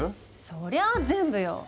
そりゃあ全部よ。